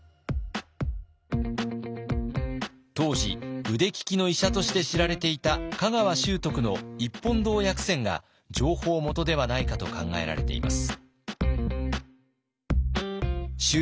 当時腕利きの医者として知られていた香川修徳の「一本堂薬選」が情報元ではないかと考えられています。